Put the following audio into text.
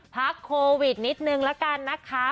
พักโควิดนิดนึงละกันนะคะ